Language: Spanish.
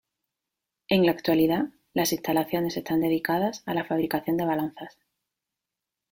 En la actualidad, las instalaciones están dedicadas a la fabricación de balanzas.